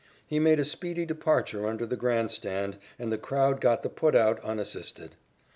He made a speedy departure under the grand stand and the crowd got the put out unassisted.